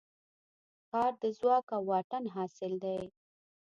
کار د ځواک او واټن حاصل دی.